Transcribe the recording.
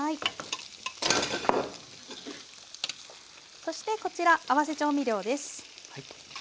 そしてこちら合わせ調味料です。